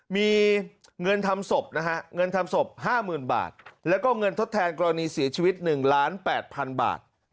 มีเงินทำศพ๕หมื่นบาทและเงินทดแทนกรณีเสียชีวิต๑๘๐๐๐๐๐บาท